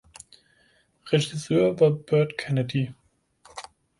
Regisseur war Burt Kennedy.